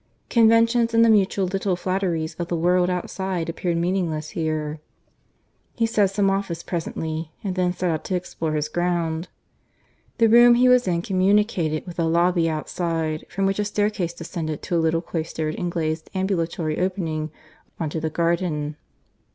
Conventions and the mutual little flatteries of the world outside appeared meaningless here. ... He said some Office presently, and then set out to explore his ground. The room he was in communicated with a lobby outside, from which a staircase descended to a little cloistered and glazed ambulatory opening on to the garden.